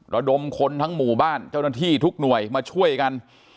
ระดมคนทั้งหมู่บ้านเจ้าหน้าที่ทุกหน่วยมาช่วยกัน